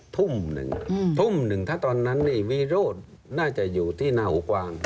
ทุ่มหนึ่งทุ่มหนึ่งถ้าตอนนั้นนี่วิโรธน่าจะอยู่ที่หน้าหูกวาง